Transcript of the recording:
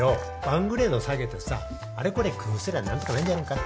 ワングレード下げてさあれこれ工夫すりゃ何とかなんじゃねぇか？